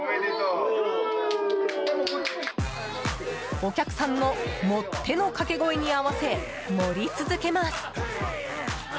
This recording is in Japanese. お客さんの盛ってのかけ声に合わせ盛り続けます。